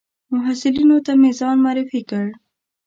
محصلینو ته مې ځان معرفي کړ.